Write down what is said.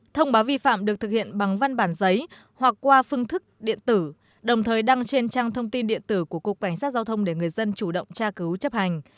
thông báo vi phạm được thực hiện bằng văn bản giấy hoặc qua phương thức điện tử đồng thời đăng trên trang thông tin điện tử của cục cảnh sát giao thông để người dân chủ động tra cứu chấp hành